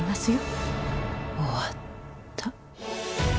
終わった。